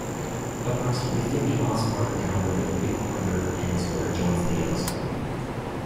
Approximately fifty miles farther downriver, the Bighorn River ends where it joins the Yellowstone.